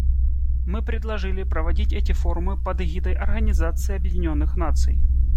Мы предложили проводить эти форумы под эгидой Организации Объединенных Наций.